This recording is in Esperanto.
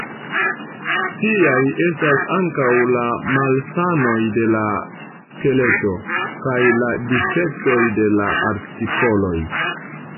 Tiaj estas ankaŭ la malsanoj de la skeleto, kaj la difektoj de la artikoloj.